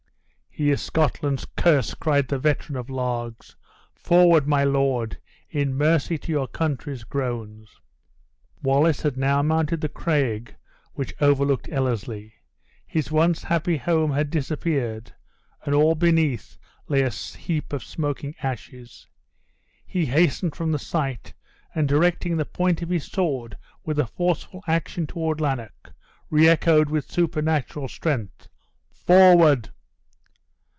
"He is Scotland's curse," cried the veteran of Largs. "Forward, my lord, in mercy to your country's groans!" Wallace had now mounted the craig which overlooked Ellerslie. His once happy home had disappeared, and all beneath lay a heap of smoking ashes. He hastened from the sight, and directing the point of his sword with a forceful action toward Lanark, re echoed with supernatural strength, "Forward!"